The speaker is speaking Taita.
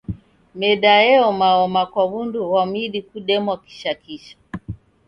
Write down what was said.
Meda eomaoma kwa w'undu ghwa midi kudemwa kishakisha.